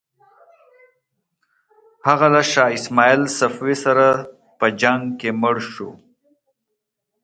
هغه له شاه اسماعیل صفوي سره په جنګ کې مړ شو.